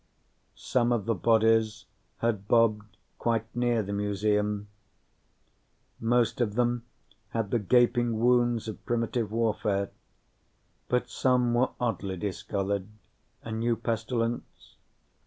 Some of the bodies had bobbed quite near the Museum. Most of them had the gaping wounds of primitive warfare, but some were oddly discolored a new pestilence?